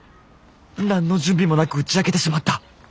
何の準備もなく打ち明けてしまった。